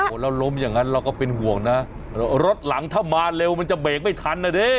แล้วล้มอย่างนั้นเราก็เป็นห่วงนะรถหลังถ้ามาเร็วมันจะเบรกไม่ทันนะดิ